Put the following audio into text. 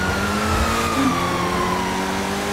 D tameṭṭut.